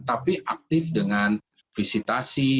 tapi aktif dengan visitasi